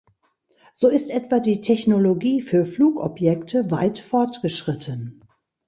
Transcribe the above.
So ist etwa die Technologie für Flugobjekte weit fortgeschritten.